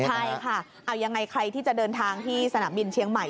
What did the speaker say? ใช่ค่ะเอายังไงใครที่จะเดินทางที่สนามบินเชียงใหม่